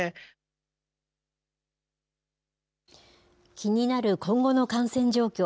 気になる今後の感染状況。